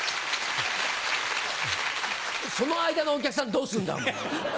その間のお客さんどうすんだ。